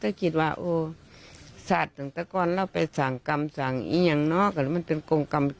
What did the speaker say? นี่แหละครับแม่ครับ